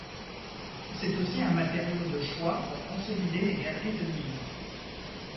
C'est aussi un matériau de choix pour consolider les galeries de mines.